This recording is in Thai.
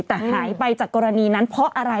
แต่หายไปจากกรณีนั้นเพราะอะไร